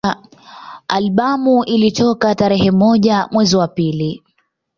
Albamu ilitoka tarehe moja mwezi wa pili